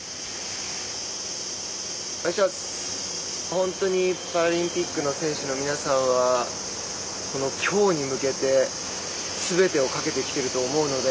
本当にパラリンピックの選手の皆さんはきょうに向けてすべてをかけてきてると思うので